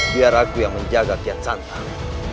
biar aku yang menjaga tiap santang